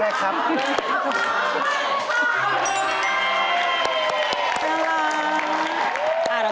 ไม่เลิกเลยครับ